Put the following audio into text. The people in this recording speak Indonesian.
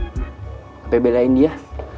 sampe belain dia